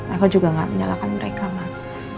aku juga nggak menyalahkan mereka mak